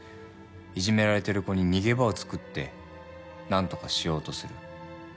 いじめられてる子に逃げ場をつくって何とかしようとする。